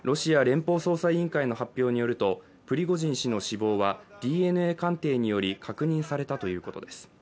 ロシア連邦捜査委員会の発表によるとプリゴジン氏の死亡は、ＤＮＡ鑑定により確認されたということです。